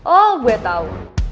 oh gue tau